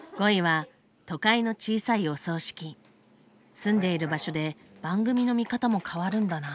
住んでいる場所で番組の見方も変わるんだな。